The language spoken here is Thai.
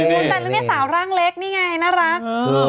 นี่สาวร่างเล็กนี่ไงน่ารัก